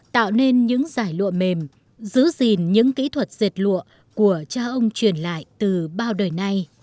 tạo nên những giải lụa mềm giữ gìn những kỹ thuật dệt lụa của cha ông truyền lại từ bao đời nay